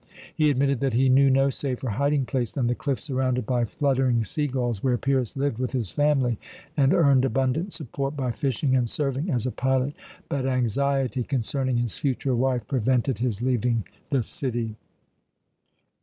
He admitted that he knew no safer hiding place than the cliff surrounded by fluttering sea gulls, where Pyrrhus lived with his family and earned abundant support by fishing and serving as pilot. But anxiety concerning his future wife prevented his leaving the city.